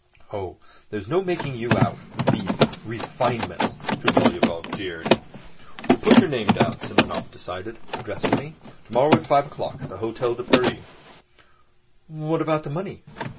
"Oh, there's no making you out ... with these refinements," Trudolyubov jeered. "We'll put your name down," Simonov decided, addressing me. "Tomorrow at five o'clock at the Hôtel de Paris." "What about the money?"